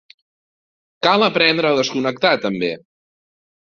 Cal aprendre a desconnectar, també!